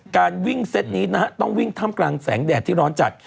การวิ่งเซตนี้นะฮะต้องวิ่งถ้ำกลางแสงแดดที่ร้อนจัด